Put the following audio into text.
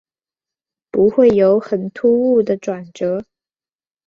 不会有很突兀的转折